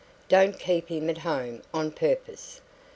Don't keep him at home on purpose."